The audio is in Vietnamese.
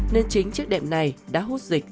nên chính chiếc đệm này đã hút dịch